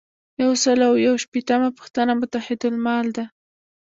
یو سل او یو شپیتمه پوښتنه متحدالمال ده.